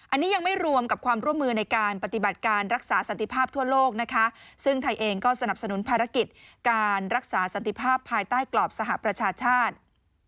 อันนี้ยังไม่รวมกับความร่วมมือในการปฏิบัติการรักษาสันติภาพทั่วโลกนะคะซึ่งไทยเองก็สนับสนุนภารกิจการรักษาสันติภาพภายใต้กรอบสหประชาชาติ